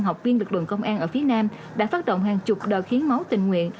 học viên lực lượng công an ở phía nam đã phát động hàng chục đợt hiến máu tình nguyện